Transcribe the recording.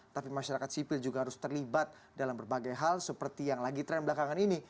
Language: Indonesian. tapi masyarakat sipil juga harus terlibat dalam berbagai hal seperti yang lagi tren belakangan ini